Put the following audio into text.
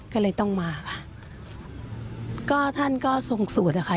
ก็เลยต้องมาค่ะก็ท่านก็ทรงสูตรอะค่ะ